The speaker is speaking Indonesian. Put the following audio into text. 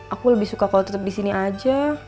aku lebih suka kalau tetap disini aja